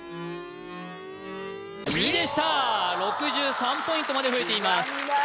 ２でした６３ポイントまで増えています